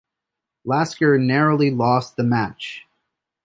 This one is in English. Lasker narrowly lost the match.